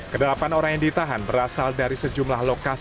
kedelapan orang yang ditahan berasal dari sejumlah lokasi